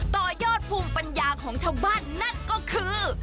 ต่อยอดภูมิปัญญาของชาวบ้านนั่นก็คือ